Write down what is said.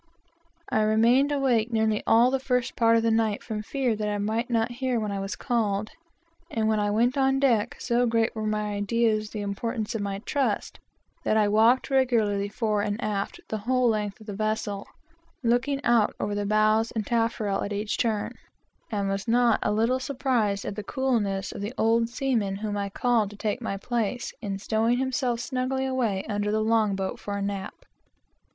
I remained awake nearly all the first part of the night from fear that I might not hear when I was called; and when I went on deck, so great were my ideas of the importance of my trust, that I walked regularly fore and aft the whole length of the vessel, looking out over the bows and taffrail at each turn, and was not a little surprised at the coolness of the old salt whom I called to take my place, in stowing himself snugly away under the long boat, for a nap.